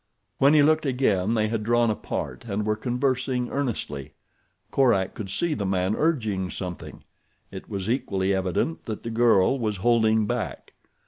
When he looked again they had drawn apart and were conversing earnestly. Korak could see the man urging something. It was equally evident that the girl was holding back.